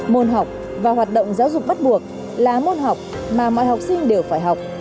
môn học và hoạt động giáo dục bắt buộc là môn học mà mọi học sinh đều phải học